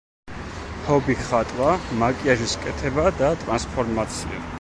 ჰობი ხატვა, მაკიაჟის კეთება და ტრანსფორმაცია.